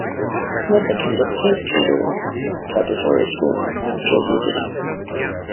Smith attended Saint Peter's Preparatory School in Jersey City.